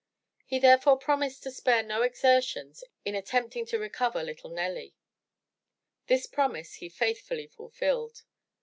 He, therefore, promised to spare no exertions in attempting to recover little Nelly. This promise he faithfully fulfilled.